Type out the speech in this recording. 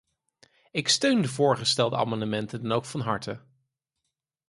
Ik steun de voorgestelde amendementen dan ook van harte.